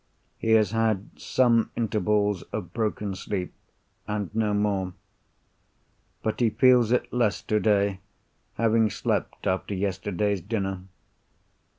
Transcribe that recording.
He has had some intervals of broken sleep, and no more. But he feels it less today, having slept after yesterday's dinner.